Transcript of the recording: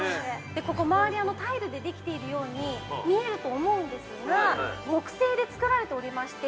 ◆ここ周り、タイルでできているように見えると思うんですが木製でつくられておりまして。